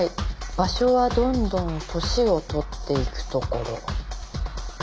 「場所はどんどん歳をとっていくところ」